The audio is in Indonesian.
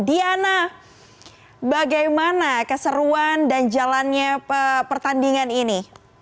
diana bagaimana keseruan dan jalannya pertandingan ini